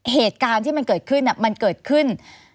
เหตุการณ์ที่มันเกิดขึ้นมันเกิดขึ้น